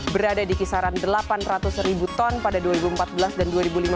berada di kisaran delapan ratus ribu ton pada dua ribu empat belas dan dua ribu lima belas